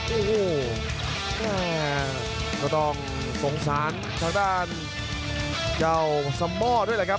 โอ้โหแล้วก็ต้องสงสารทางด้านเก่าสม่อด้วยเลยครับ